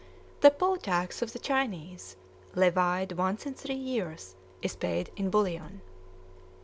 The poll tax on the Chinese, levied once in three years, is paid in bullion.